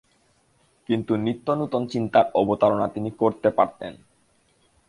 কিন্তু নিত্যনূতন চিন্তার অবতারণা তিনি করতে পারতেন।